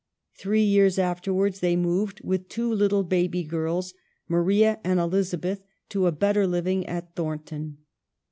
Three years after wards they moved, with two little baby girls, Maria and Elizabeth, to a better living at Thorn ton.